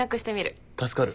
助かる。